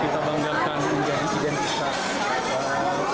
kita banggakan menjadi identitas